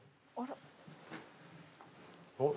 あっ。